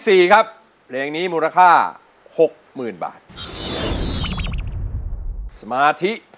ท่าเธอเข้ามา